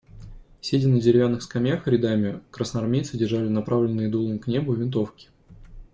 Сидя на деревянных скамьях рядами, красноармейцы держали направленные дулом к небу винтовки.